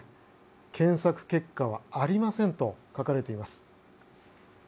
検索結果はありませんと書かれています。